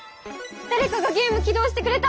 だれかがゲーム起動してくれた！